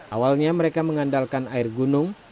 awalnya mereka mengandalkan air gunung